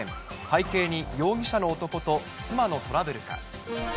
背景に容疑者の男と妻のトラブルか。